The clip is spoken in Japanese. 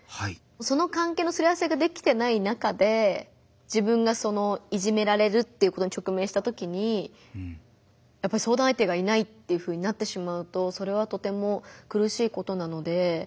その関係のすり合わせができてない中で自分がいじめられるっていうことに直面したときに相談相手がいないっていうふうになってしまうとそれはとても苦しいことなので。